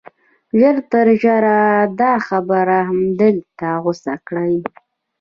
ژر تر ژره دا خبره همدلته غوڅه کړئ